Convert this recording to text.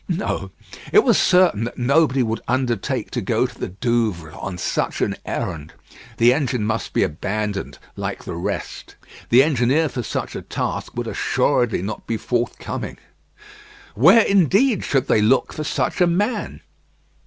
No: it was certain that nobody would undertake to go to the Douvres on such an errand. The engine must be abandoned like the rest. The engineer for such a task would assuredly not be forthcoming. Where, indeed, should they look for such a man?